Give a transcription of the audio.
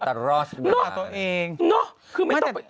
ตลอดสินภาษาตัวเอง